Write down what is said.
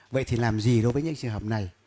vậy thì làm gì đối với những trường hợp này